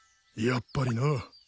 やっぱりな。